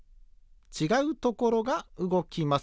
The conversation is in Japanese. ちがうところがうごきます。